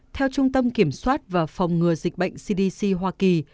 theo trung tâm kiểm soát và phòng ngừa dịch bệnh cdc hoa kỳ